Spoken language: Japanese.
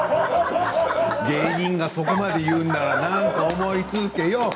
芸人がそこまで言うなら何か思いつけよ！